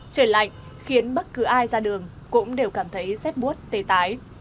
trời lạnh khiến bất cứ ai ra đường cũng đều cảm thấy rét bút tê tái